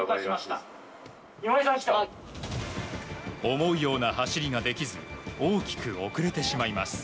思うような走りができず大きく遅れてしまいます。